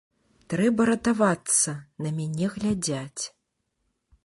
Трэба ратавацца, на мяне глядзяць.